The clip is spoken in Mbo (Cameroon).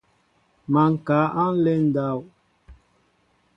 Má ŋkă a nlen ndáw.